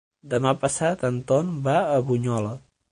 Demà passat en Ton va a Bunyola.